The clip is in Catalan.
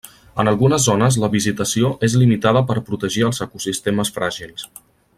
En algunes zones la visitació és limitada per protegir els ecosistemes fràgils.